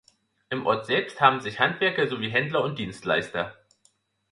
Im Ort selbst haben sich Handwerker sowie Händler und Dienstleister.